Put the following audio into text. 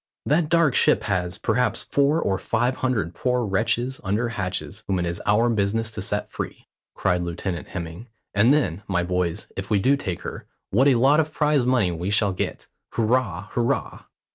"That dark ship has, perhaps, four or five hundred poor wretches under hatches whom it is our business to set free," cried Lieutenant Hemming. "And then, my boys, if we do take her, what a lot of prize money we shall get? Hurrah! hurrah!"